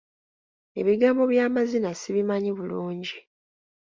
Ebigambo by'amazina sibimanyi bulungi.